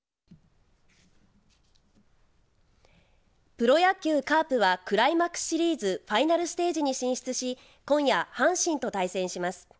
プロ野球カープはクライマックスシリーズファイナルステージに進出し今夜、阪神と対戦します。